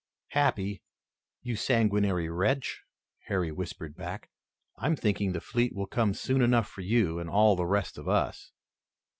"Happy, you sanguinary wretch," Harry whispered back, "I'm thinking the fleet will come soon enough for you and all the rest of us."